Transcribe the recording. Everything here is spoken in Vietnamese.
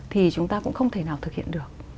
thì chúng ta cũng không thể nào thực hiện được